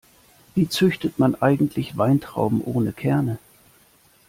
Wie züchtet man eigentlich Weintrauben ohne Kerne?